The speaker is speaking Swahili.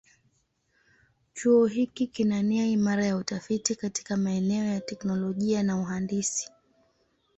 Chuo hiki kina nia imara ya utafiti katika maeneo ya teknolojia na uhandisi.